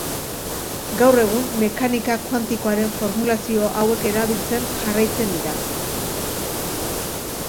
Gaur egun, mekanika kuantikoaren formulazio hauek erabiltzen jarraitzen dira.